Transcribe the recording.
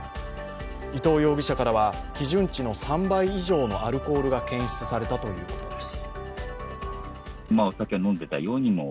伊東容疑者からは基準値の３倍以上のアルコールが検出されたということです。